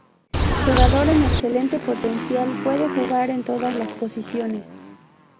Jugador con excelente potencial, puede jugar en todas las posiciones.